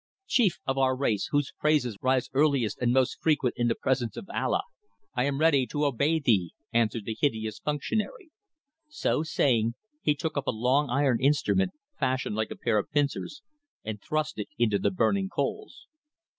"Chief of our race, whose praises rise earliest and most frequent in the presence of Allah, I am ready to obey thee," answered the hideous functionary. So saying, he took up a long iron instrument, fashioned like a pair of pincers and thrust it into the burning coals.